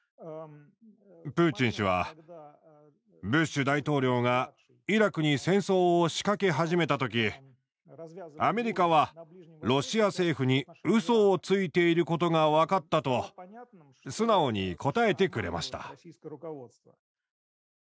プーチン氏は「ブッシュ大統領がイラクに戦争を仕掛け始めた時アメリカはロシア政府にうそをついていることが分かった」と素直に答えてくれました。